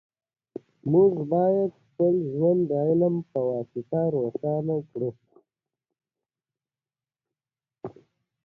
ازادي راډیو د مالي پالیسي په اړه د غیر دولتي سازمانونو رول بیان کړی.